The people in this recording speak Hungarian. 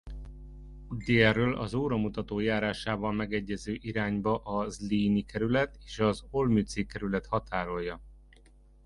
Délről az óramutató járásával megegyező irányba a Zlíni kerület és a Olmützi kerület határolja.